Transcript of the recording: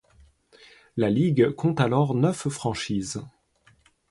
La ligue compte alors neuf franchises.